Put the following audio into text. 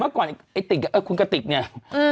เมื่อก่อนไอ้ติ๊กว่าเอ้ยคุณกะติกเนี่ย